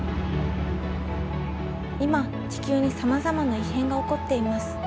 今地球にさまざまな異変が起こっています。